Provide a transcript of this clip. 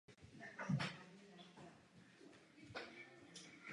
Izraelsko-palestinský bilaterální rámec by měl být doplněn o rámec multilaterální.